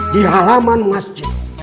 di halaman masjid